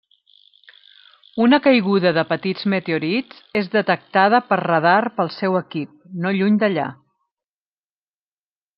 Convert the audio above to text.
Una caiguda de petits meteorits és detectada per radar pel seu equip, no lluny d'allà.